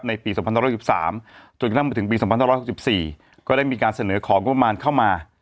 ปี๒๑๑๓จนกระทั่งมาถึงปี๒๕๖๔ก็ได้มีการเสนอของงบประมาณเข้ามา